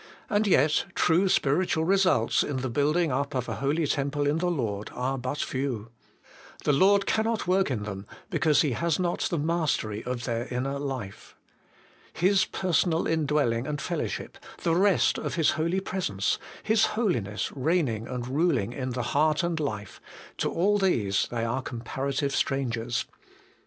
And yet true spiritual results in the building up of a holy temple in the Lord are but few. The Lord cannot work in them, because He has not the mastery of their inner life. His personal indwelling and fellow ship, the rest of His Holy Presence, His Holiness reigning and ruling in the heart and life, to all these they are comparative strangers.